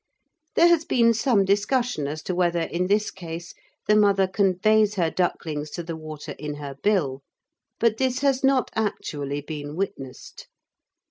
There has been some discussion as to whether, in this case, the mother conveys her ducklings to the water in her bill, but this has not actually been witnessed.